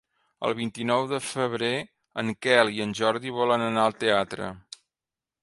El vint-i-nou de febrer en Quel i en Jordi volen anar al teatre.